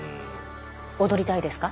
踊りたいですか？